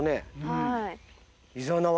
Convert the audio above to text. はい。